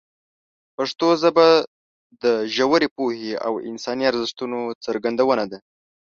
پښتو ژبه د ژورې پوهې او انساني ارزښتونو څرګندونه ده.